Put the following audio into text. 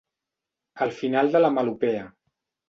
Al final de la melopea.